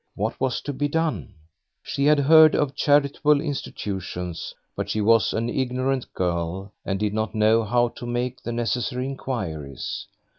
What was to be done? She had heard of charitable institutions, but she was an ignorant girl and did not know how to make the necessary inquiries.